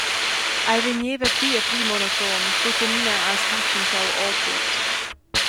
Ei vegneva pli e pli monoton, tuttenina has ti tschitschau ora tut.